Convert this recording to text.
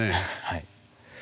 はい。